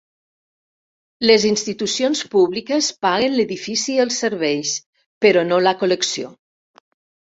Les institucions públiques paguen l'edifici i els serveis, però no la col·lecció.